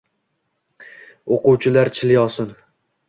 O’quvchilar chilyosin…